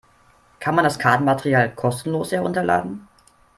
Kann man das Kartenmaterial kostenlos herunterladen?